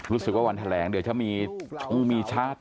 รู้สึกว่าวันแหลงเดี๋ยวถ้ามีชุมีชาติ